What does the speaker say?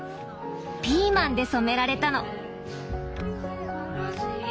ピーマンで染められたの。